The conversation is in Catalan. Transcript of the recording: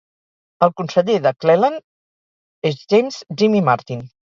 El conseller de Cleland és James "Jimmy" Martin.